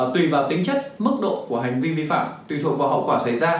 tùy vào tính chất mức độ của hành vi vi phạm tùy thuộc vào hậu quả xảy ra